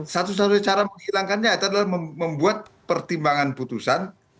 satu satunya cara menghilangkannya itu adalah membuat pertimbangan putusan